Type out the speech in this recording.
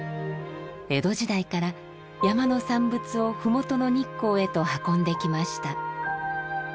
江戸時代から山の産物を麓の日光へと運んできました。